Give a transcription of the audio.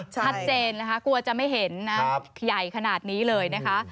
ชัดเจนนะคะกลัวจะไม่เห็นนะใหญ่ขนาดนี้เลยนะคะ